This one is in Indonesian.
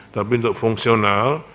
tapi untuk fungsional